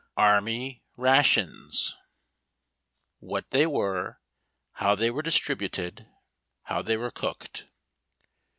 ARMY RATIONS : WHAT THEY WERE. HOW THEY WERE DISTRIBUTED. — HOW THEY WERE COOKED.